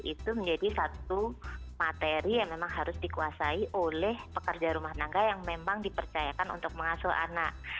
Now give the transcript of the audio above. itu menjadi satu materi yang memang harus dikuasai oleh pekerja rumah tangga yang memang dipercayakan untuk mengasuh anak